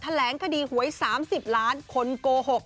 แหลงคดีหวย๓๐ล้านคนโกหก